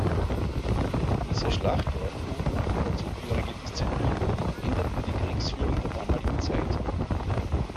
Diese Schlachtordnung und die dazugehörige Disziplin änderten die Kriegsführung der damaligen Zeit.